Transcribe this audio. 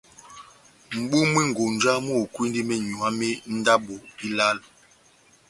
mʼbúmwi-konja múhukwindi menyuwa mé ndabo ilálo.